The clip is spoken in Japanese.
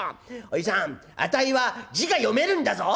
おじさんあたいは字が読めるんだぞ！」。